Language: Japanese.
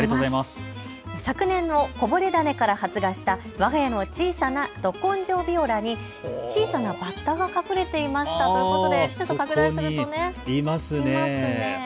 昨年のこぼれ種から発芽したわが家の小さなど根性ビオラに小さなバッタが隠れていましたということでちょっと拡大するといますね。